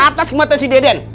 atas kematian si deden